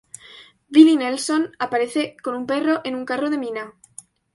Willie Nelson aparece con un perro en un carro de mina.